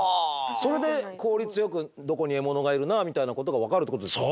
それで効率よくどこに獲物がいるなみたいなことが分かるってことですか。